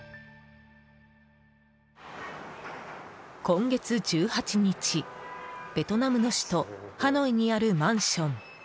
今月１８日ベトナムの首都ハノイにあるマンション。